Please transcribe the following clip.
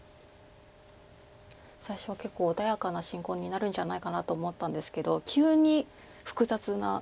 最初は結構穏やかな進行になるんじゃないかなと思ったんですけど急に複雑な変化になりました。